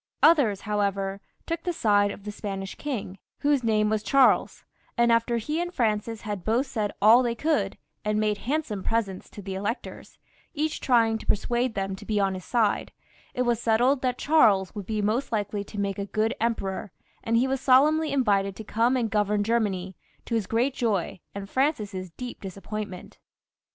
Others, however, took the side of the Spanish king, whose name was Charles, and after he and Francis had both said all they could, and made handsome presents to the electors, each trying to persuade them to be on his side, it was settled that Charles would be most likely to make a good emperor, and he was solemnly invited to come and govern Germany, to his great joy and Francis's deej) dis appointment.